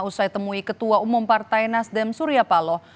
usai temui ketua umum partai nasdem surya paloh